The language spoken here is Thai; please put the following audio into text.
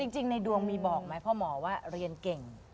ในดวงมีบอกไหมพ่อหมอว่าเรียนเก่ง